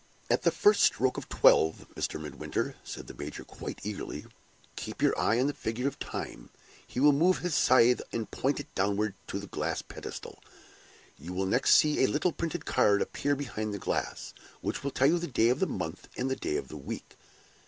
"At the first stroke of twelve, Mr. Midwinter," said the major, quite eagerly, "keep your eye on the figure of Time: he will move his scythe, and point it downward to the glass pedestal. You will next see a little printed card appear behind the glass, which will tell you the day of the month and the day of the week.